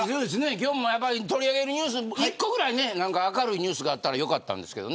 今日も取り上げるニュース１個ぐらい明るいニュースがあったらよかったんですけど。